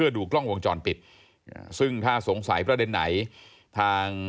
ดูกล้องวงจรปิดซึ่งถ้าสงสัยประเด็นไหนทาง